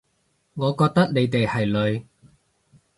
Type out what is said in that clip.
我覺得你哋係女